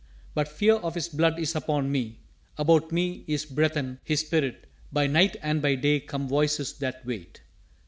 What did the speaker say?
But fear of his blood is upon me, about me is breathen His spirit by night and by day come voices that wait.